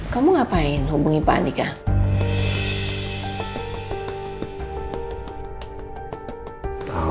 kamu ngapain hubungi pak andika